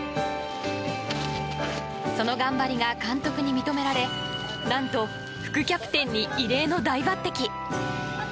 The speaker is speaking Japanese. その頑張りが、監督に認められ何と、副キャプテンに異例の大抜擢。